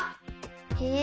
へえ。